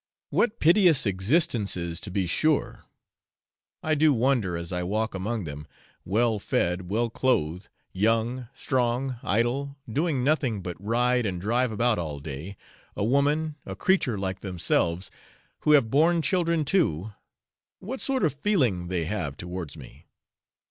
What piteous existences to be sure! I do wonder, as I walk among them, well fed, well clothed, young, strong, idle, doing nothing but ride and drive about all day, a woman, a creature like themselves, who have borne children too, what sort of feeling they have towards me.